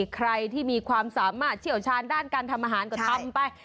ใครที่มีความสามารถเชี่ยวชาญด้านการทำอาหารก็ทำไป